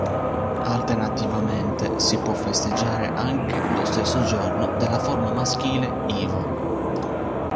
Alternativamente, si può festeggiare anche lo stesso giorno della forma maschile Ivo.